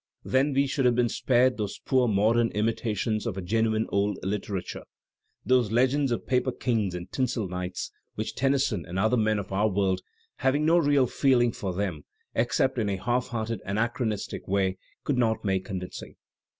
Then we should have been spared those poor modem imitations of Digitized by Google 9S6 THE SPmiT OF AMERICAN LITERATURE a genuine old literature, those legends of paper kings and tinsel knights which Tennyson and other men of our world, having no real feeling for them, except in a half hearted anachronistic way, could not make convincing.